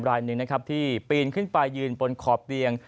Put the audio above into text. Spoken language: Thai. รายหนึ่งนะครับที่ปีนขึ้นไปยืนบนขอบเตียง